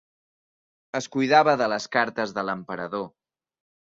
Es cuidava de les cartes de l'emperador.